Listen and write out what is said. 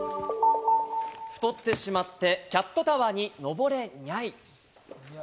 太ってしまって、キャットタワーに登れニャイ。